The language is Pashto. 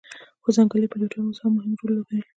خو ځنګلي پیلوټان اوس هم مهم رول لوبوي